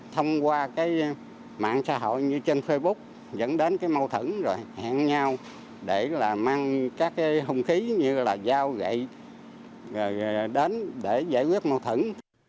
thông qua mạng xã hội như trên facebook dẫn đến mâu thẩn rồi hẹn nhau để mang các hung khí như là giao gậy đến để giải quyết mâu thẩn